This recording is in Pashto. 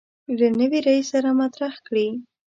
له نوي رئیس سره مطرح کړي.